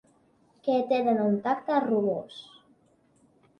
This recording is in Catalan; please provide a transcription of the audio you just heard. Que tenen un tacte rugós.